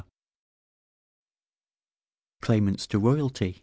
CLAIMANTS TO ROYALTY.